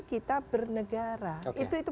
kita bernegara itu